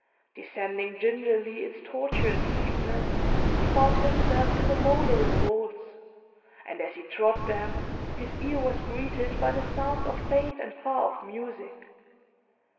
Descending gingerly its tortuous steepness, he found himself in the mouldering vaults, and, as he trod them, his ear was greeted by the sound of faint and far off music.